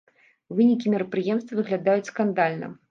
Вынікі мерапрыемства выглядаюць скандальна.